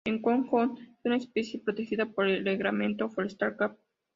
En Hong Kong, es una especie protegida por el Reglamento Forestal Cap.